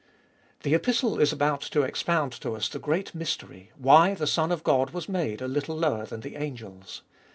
The Epistle is about to expound to us the great mystery, why the Son of God was made a little lower than the angels.